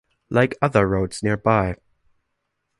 Like other roads nearby.